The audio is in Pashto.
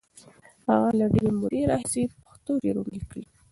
هغه له ډېرې مودې راهیسې پښتو شعرونه لیکي.